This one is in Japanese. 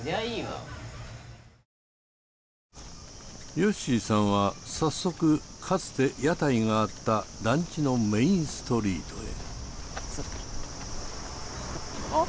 よっしーさんは早速かつて屋台があった団地のメインストリートへ。